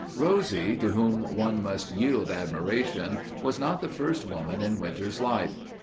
Rosie, to whom one must yield admiration, was not the first woman in Winters' life.